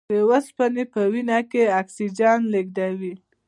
د اوسپنې په وینه کې اکسیجن لېږدوي.